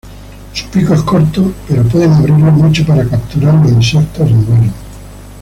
Su pico es corto, pero pueden abrirlo mucho para capturar los insectos en vuelo.